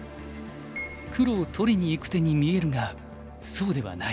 黒を取りにいく手に見えるがそうではない。